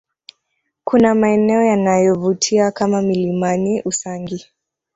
Kuna maeneo yanayovutia kama milimani Usangi